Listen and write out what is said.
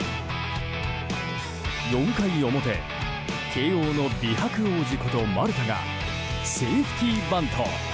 ４回表、慶応の美白王子こと丸田がセーフティーバント。